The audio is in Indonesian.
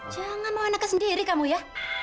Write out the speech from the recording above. jangan mau anaknya sendiri kamu ya